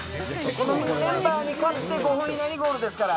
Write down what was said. このメンバーに勝って５分以内にゴールですから。